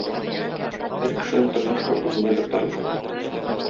Һәр кешенең тормышы - үзенә бер тарих.